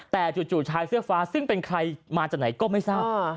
แต่จู่ชายเสื้อฟ้าซึ่งเป็นใครมาจากไหนก็ไม่ทราบ